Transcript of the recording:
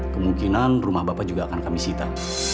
kemungkinan rumah bapak juga akan kami sita